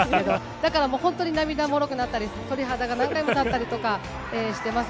だからもう、本当に涙もろくなったり、鳥肌が何回も立ったりとかしてます。